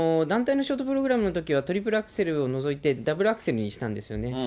団体のショートプログラムのときはトリプルアクセルを除いて、ダブルアクセルにしたんですよね。